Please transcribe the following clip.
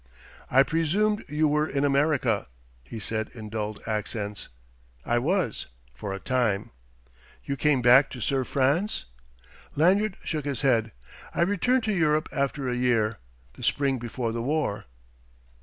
"I presumed you were in America," he said in dulled accents. "I was ... for a time." "You came back to serve France?" Lanyard shook his head. "I returned to Europe after a year, the spring before the war."